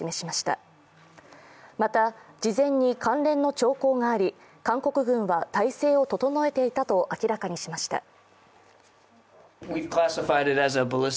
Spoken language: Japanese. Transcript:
また、事前に関連の兆候があり韓国軍は体勢を整えていたと明らかにしました。